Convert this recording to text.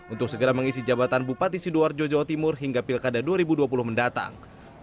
untuk segera mengisi jabatan bupati sidoarjo jawa timur hingga pilkada dua ribu dua puluh mendatang